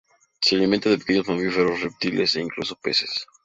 Se alimenta de pequeños mamíferos, reptiles e incluso peces.